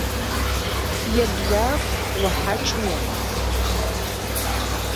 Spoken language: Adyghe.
Еблагъ, ухьакl о